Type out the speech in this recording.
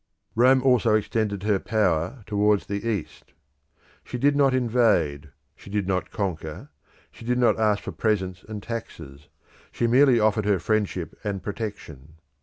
Rome also extended her power towards the East. She did not invade, she did not conquer, she did not ask for presents and taxes, she merely offered her friendship and protection.